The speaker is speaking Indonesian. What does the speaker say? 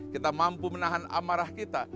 kita mampu menahan amarah kita